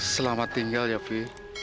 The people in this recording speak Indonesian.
selamat tinggal ya fi